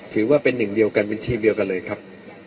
ถือว่าเป็นหนึ่งเดียวกันเป็นทีมเดียวกันเลยครับ